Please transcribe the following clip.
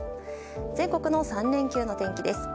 全国の３連休の天気です。